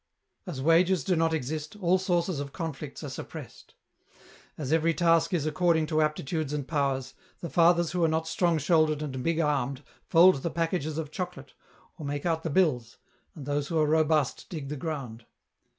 " As wages do not exist, all sources of conflicts are suppressed. " As every task is according to aptitudes and powers, the fathers who are not strong shouldered and big armed fold the packages of chocolate, or make out the bills, and those who are robust dig the ground.